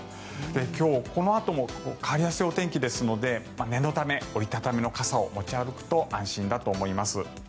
今日、このあとも変わりやすいお天気ですので念のため折り畳みの傘を持ち歩くと安心だと思います。